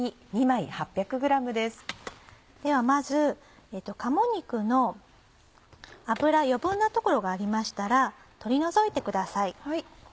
ではまず鴨肉の脂余分なところがありましたら取り除いてください。